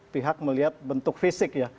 pihak melihat bentuk fisik ya